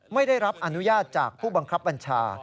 ไม่ได้รับอนุญาตจากผู้บังคับบัญชา